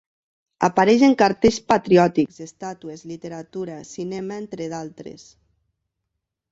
Apareix en cartells patriòtics, estàtues, literatura, cinema entre d'altres.